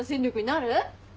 なる！